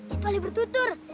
itu alih bertutur